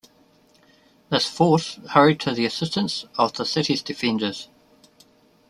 This force hurried to the assistance of the city's defenders.